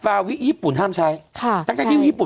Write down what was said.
เพื่อไม่ให้เชื้อมันกระจายหรือว่าขยายตัวเพิ่มมากขึ้น